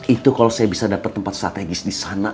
itu kalau saya bisa dapet tempat strategis disana